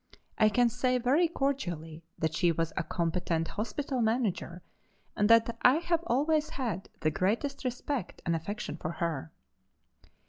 I can say very cordially that she was a competent hospital manager and that I have always had the greatest respect and affection for her."